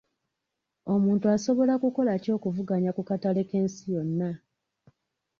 Omuntu asobola kukola ki okuvuganya ku katale k'ensi yonna?